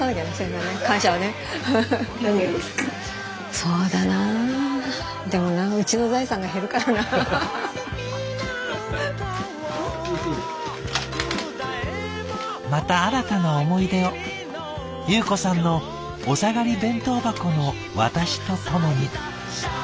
そうだな「また新たな思い出を裕子さんのお下がり弁当箱の私とともに」。